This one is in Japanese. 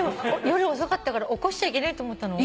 夜遅かったから起こしちゃいけないと思ったの？